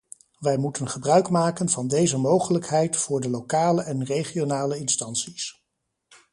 Wij moeten gebruik maken van deze mogelijkheid voor de lokale en regionale instanties.